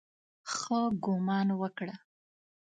ښه ګومان وکړه.